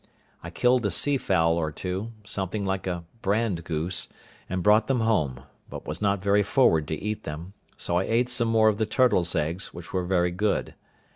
I killed a sea fowl or two, something like a brandgoose, and brought them home, but was not very forward to eat them; so I ate some more of the turtle's eggs, which were very good.